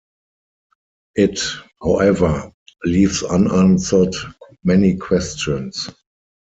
It, however, leaves unanswered many questions.